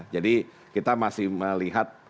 jadi kita masih melihat